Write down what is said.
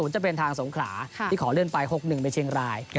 จะเป็นทางสงขลาที่ขอเลื่อนไป๖๑ไปเชียงราย